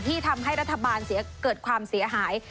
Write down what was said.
ที่ทำให้รัฐบาลเกิดความเสียหาย